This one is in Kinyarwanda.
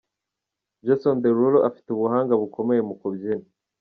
Jason Derulo afite ubuhanga bukomeye mu kubyina.